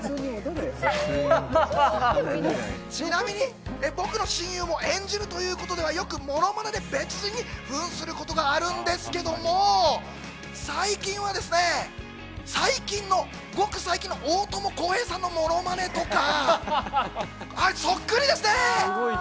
ちなみに僕の親友も演じるということでは、よくものまねで別人に扮することがあるんですけども、最近はですね、ごく最近も大友康平さんのものまねとかそっくりですね。